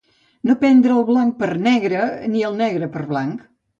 No prendre el blanc per negre, ni el negre per blanc.